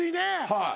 はい。